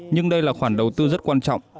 nhưng đây là khoản đầu tư rất quan trọng